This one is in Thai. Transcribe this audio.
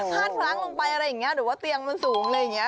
พลาดพลั้งลงไปอะไรอย่างนี้หรือว่าเตียงมันสูงอะไรอย่างนี้